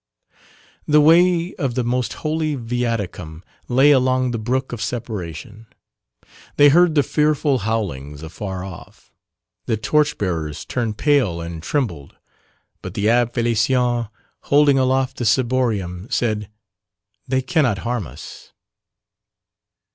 The way of the Most Holy Viaticum lay along the brook of separation. They heard the fearful howlings afar off, the torch bearers turned pale and trembled but the Abbé Félicien, holding aloft the Ciborium, said "They cannot harm us."